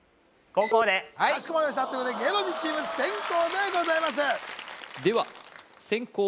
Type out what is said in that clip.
かしこまりましたということで芸能人チーム先攻でございますでは先攻